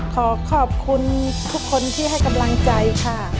ขอขอบคุณทุกคนที่ให้กำลังใจค่ะ